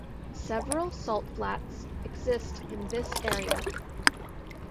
Several salt flats exist in this area.